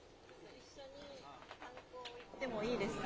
一緒に観光に行ってもいいですか。